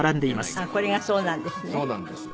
あっこれがそうなんですね。